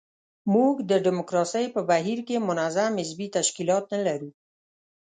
موږ د ډیموکراسۍ په بهیر کې منظم حزبي تشکیلات نه لرو.